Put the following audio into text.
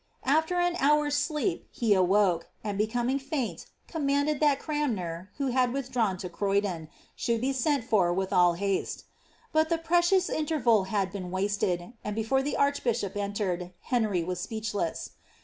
Ai\er an hour's sleep he awoke, ■d, booming faint, commanded that Cranmer, who liad withdrawn to Ikvydon, should be sent for with all haste. But the precious interval ■d been wasted ; and before the archbishop entered, Henry was speech* ■i.